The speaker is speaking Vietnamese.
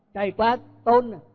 chảy qua tôn này